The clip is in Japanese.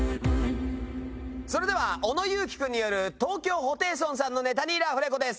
それでは小野友樹君による東京ホテイソンさんのネタにラフレコです。